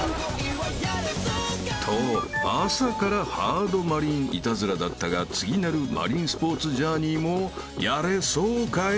［と朝からハードマリンイタズラだったが次なるマリンスポーツジャーニーもやれそうかい？］